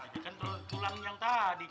itu kan tulang yang tadi